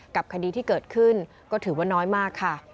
คดีที่เกิดขึ้นก็ถือว่าน้อยมากค่ะ